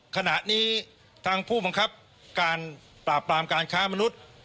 ขณะนี้ทางผู้บังคับการปราบปรามการค้ามนุษย์